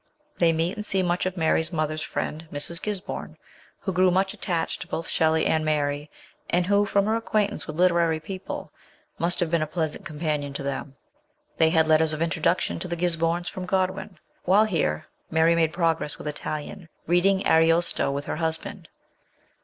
They meet and see much of Mary's mother's friend, Mrs. Gisborne, who grew much attached to hoth Shelley and Mary, and who, from her acquaintance with literary people, must have been a pleasant companion to them. They had letters of introduction to the Gisbornes from Godwin. While here Mary made pro gress with Italian, reading Ariosto with her husband.